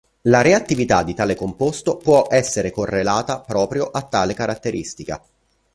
La reattività di tale composto può essere correlata proprio a tale caratteristica.